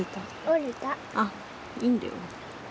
あっいいんだよ。